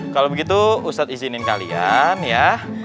kalau begitu ustadz izinin kalian ya